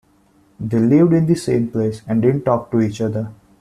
They lived in the same palace and didn't talk to each other.